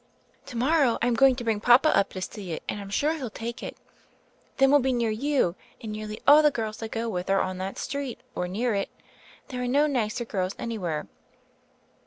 To morrow, I'm going to bring papa up to see it; and I'm sure he'll take it. Then we'll be near you, and nearly all the girls I go with are on that street, or near it. There are no nicer girls anywhere."